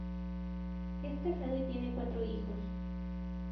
Es casado y tiene cuatro hijos.